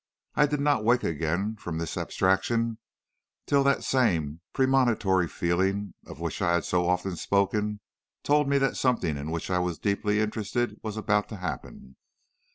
I did not wake again from this abstraction till that same premonitory feeling, of which I have so often spoken, told me that something in which I was deeply interested was about to happen.